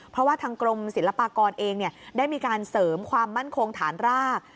เพราะว่าทางกรมศิลปากรเองได้มีการเสริมความมั่นคงฐานราก